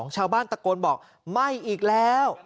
ชาวบ้านตะโกนบอกไม่อีกแล้ว